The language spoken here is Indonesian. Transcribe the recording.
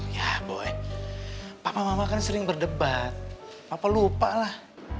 ya boleh papa mama kan sering berdebat papa lupa lah